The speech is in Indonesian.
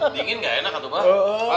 dingin gak enak atau bah